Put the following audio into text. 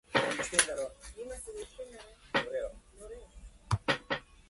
沖縄県豊見城市